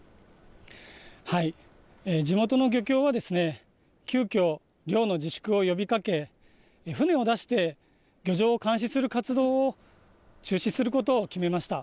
地元の漁協は急きょ、漁の自粛を呼びかけ、船を出して漁場を監視する活動を中止することを決めました。